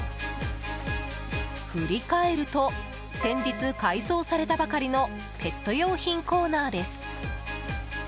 振り返ると先日、改装されたばかりのペット用品コーナーです。